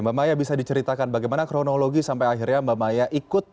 mbak maya bisa diceritakan bagaimana kronologi sampai akhirnya mbak maya ikut